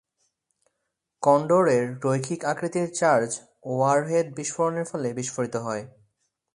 কন্ডোরের রৈখিক আকৃতির charge warhead বিস্ফোরণের ফলে বিস্ফোরিত হয়।